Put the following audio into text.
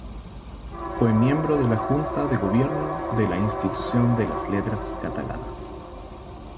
Fue miembro de la junta de gobierno de la Institución de las Letras Catalanas.